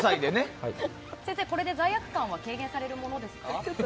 先生、これで罪悪感は軽減されますか？